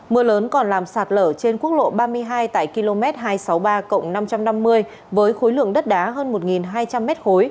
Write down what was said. mưa lớn còn làm sạt lở trên quốc lộ ba mươi hai tại km hai trăm sáu mươi ba năm trăm năm mươi với khối lượng đất đá hơn một hai trăm linh m ba